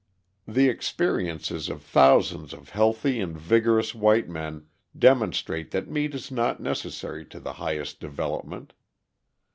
The experiences of thousands of healthy and vigorous white men demonstrate that meat is not necessary to the highest development.